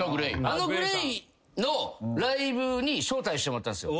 あのＧＬＡＹのライブに招待してもらったんすよ。